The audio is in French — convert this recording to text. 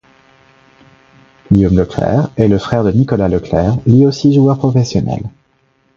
Guillaume Leclerc est le frère de Nicolas Leclerc, lui aussi joueur professionnel.